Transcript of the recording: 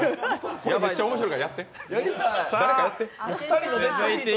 めっちゃ面白いから、やって、誰かやって。